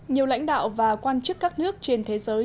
nhiều lãnh đạo và quan chức các nước trên thế giới